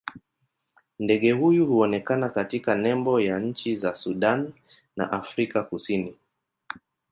Ndege huyu huonekana katika nembo ya nchi za Sudan na Afrika Kusini.